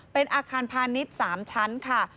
เป็นอาคารพาณิชย์๓ชั้นค่ะ